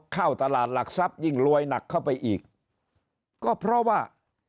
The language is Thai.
เข้าตลาดหลักทรัพยิ่งรวยหนักเข้าไปอีกก็เพราะว่า